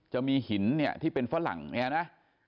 จะมีหินเนี่ยที่เป็นฝรั่งเนี่ยนะ